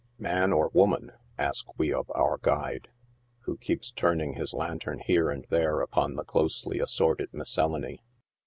" Man or woman ?" ask we of our guide, who keeps turning his lantern here and there upon the closely assorted miscellany.